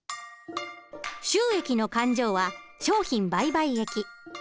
収益の勘定は商品売買益。